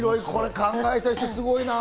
考えた人、すごいな。